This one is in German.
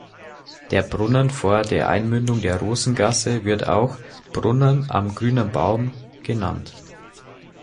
Der Brunnen vor der Einmündung der Rosengasse wird auch "Brunnen am Grünen Baum" genannt.